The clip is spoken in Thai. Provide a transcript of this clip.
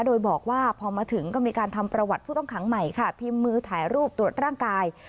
โดยบอกว่าพอมาถึงก็มีการทำประวัติผู้ต้องขังใหม่ค่ะพิมพ์มือถ่ายรูปตรวจร่างกาย